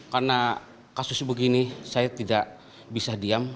karena kasus begini saya tidak bisa diam